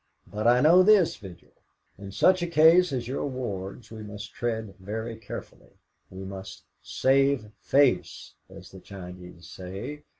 But I know this, Vigil in such a case as your ward's we must tread very carefully. We must 'save face,' as the Chinese say.